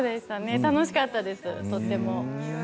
楽しかったです、とても。